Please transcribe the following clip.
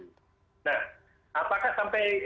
nah apakah sampai